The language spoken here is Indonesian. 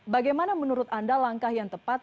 bagaimana menurut anda langkah yang tepat